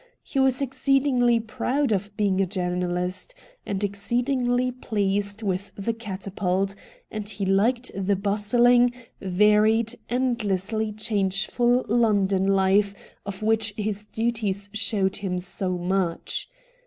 He was exceedingly proud of being a journahst, and exceedingly pleased with the ' Catapult,' and he hked the bustling, varied, endlessly changeful London life of which his duties showed him so much.